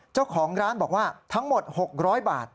เจ้าของร้านบอกว่าทั้งหมด๖๐๐บาท